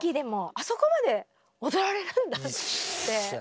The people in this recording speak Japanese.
あそこまで踊られるんだって。